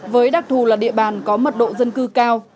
với đặc thù là địa bàn có mật độ dân cư cao